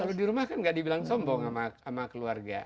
kalau di rumah kan nggak dibilang sombong sama keluarga